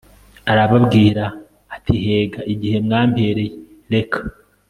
arababwira atihega igihe mwampereye reka